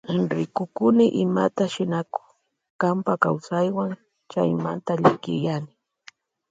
Rikukuni imata shinakunk kanpa kawsaywan chaymanta llakiyani.